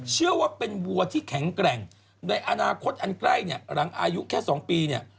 เชื่อว่าเป็นวัวที่แข็งแกร่งในอนาคตอันใกล้เนี่ยหลังอายุแค่๒ปีเนี่ย